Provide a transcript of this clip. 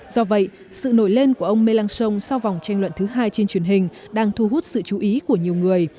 do vậy sự nổi lên của ông mel sau vòng tranh luận thứ hai trên truyền hình đang thu hút sự chú ý của nhiều người